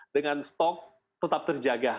dengan stok tetap terjaga